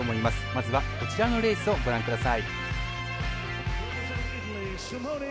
まずはこちらのレースをご覧ください。